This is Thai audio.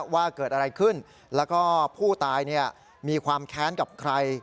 ว่าเกิดอะไรขึ้นแล้วก็ผู้ตายมีความแค้นกับใคร